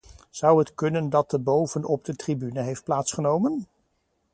Zou het kunnen dat de boven op de tribune heeft plaatsgenomen?